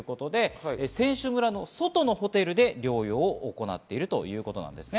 選手村の外のホテルで療養を行っているということです。